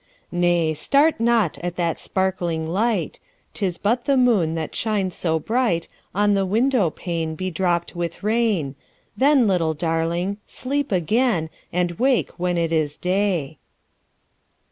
10 Nay! start not at that sparkling light; 'Tis but the moon that shines so bright On the window pane bedropped with rain: Then, little Darling! sleep again, And wake when it is day.